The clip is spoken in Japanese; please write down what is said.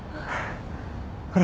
これ。